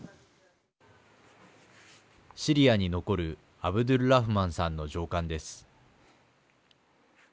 シリアに残るアブドゥルラフマンさんの上官です。